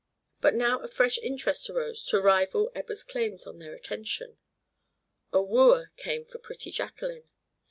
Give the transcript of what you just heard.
But now a fresh interest arose to rival Ebba's claims on their attention. A wooer came for pretty Jacqueline.